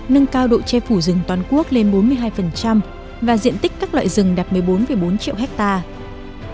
nâng cao độ che phủ rừng toàn quốc lên bốn mươi hai và diện tích các loại rừng đạt một mươi bốn bốn triệu hectare